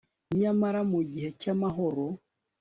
Nyamara mu gihe cyamahoro